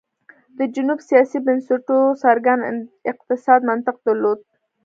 د جنوب سیاسي بنسټونو څرګند اقتصادي منطق درلود.